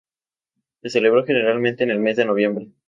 Se celebra generalmente en el mes de noviembre.